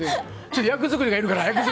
役作りがいるから！